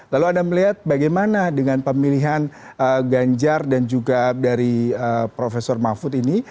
lalu anda melihat bagaimana dengan pemilihan ganjar dan juga dari prof mahfud ini